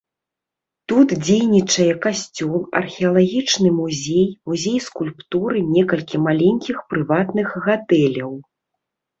Тут дзейнічае касцёл, археалагічны музей, музей скульптуры, некалькі маленькіх прыватных гатэляў.